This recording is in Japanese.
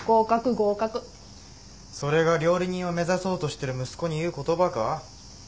それが料理人を目指そうとしてる息子に言う言葉か？